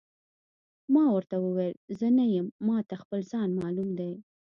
ما ورته وویل: زه نه یم، ما ته خپل ځان معلوم دی.